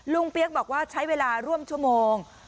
ลุงเปี๊ยกบอกว่าใช้เวลาร่วมเชิงโมง